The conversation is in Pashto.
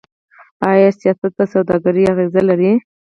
آیا سیاست په سوداګرۍ اغیز لري؟